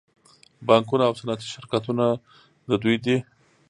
بانکونه او صنعتي شرکتونه د دوی دي